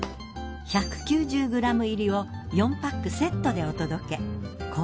１９０ｇ入りを４パックセットでお届け。